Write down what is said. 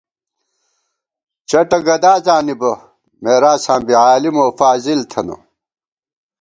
چٹّہ گدا زانِبہ، مېراثاں بی عالِم اؤ فاضل تھنہ